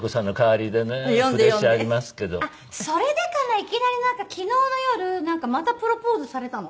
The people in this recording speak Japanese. いきなりなんか昨日の夜なんかまたプロポーズされたの。